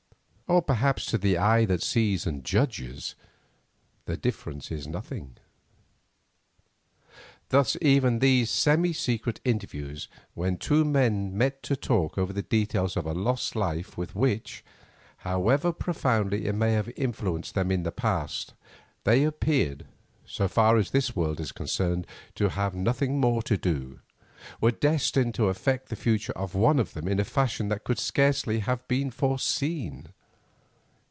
Or perhaps to the Eye that sees and judges the difference is nothing. Thus even these semi secret interviews when two men met to talk over the details of a lost life with which, however profoundly it may have influenced them in the past, they appeared, so far as this world is concerned, to have nothing more to do, were destined to affect the future of one of them in a fashion that could scarcely have been foreseen.